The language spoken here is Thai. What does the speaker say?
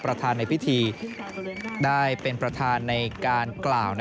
ประธานในพิธีได้เป็นประธานในการกล่าว